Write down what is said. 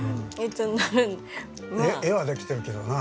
画はできてるけどな。